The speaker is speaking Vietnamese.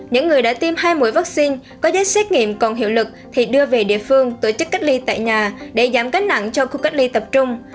những người đã tiêm hai mũi vaccine có giấy xét nghiệm còn hiệu lực thì đưa về địa phương tổ chức cách ly tại nhà để giảm gánh nặng cho khu cách ly tập trung